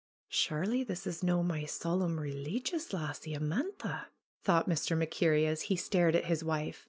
Surely this is no' my solemn, releegious lassie, Amantha !" thought Mr. MacKerrie as he stared at his wife.